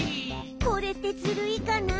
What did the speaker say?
「これってずるいかな？